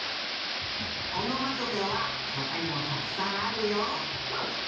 おのまとぺはほかにもたくさんあるよ。